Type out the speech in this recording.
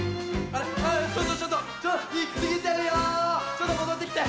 ちょっともどってきて。